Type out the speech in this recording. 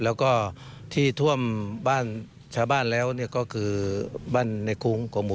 แล้วก็ที่ทวมชาวบ้านแล้วก็ก็คือบ้านในคุงอม๓